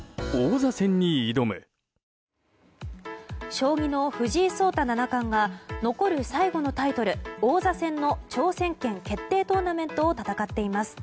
将棋の藤井聡太七冠が残る最後のタイトル王座戦の挑戦権決定トーナメントを戦っています。